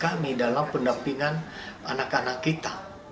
kami dalam pendampingan anak anak kita